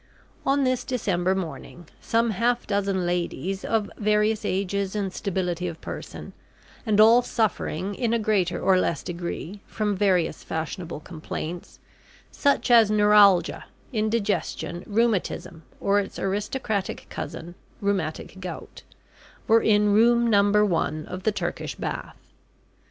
On this December morning, some half dozen ladies, of various ages and stability of person, and all suffering, in a greater or less degree, from various fashionable complaints such as neuralgia, indigestion, rheumatism, or its aristocratic cousin, rheumatic gout were in Room Number One of the Turkish Bath.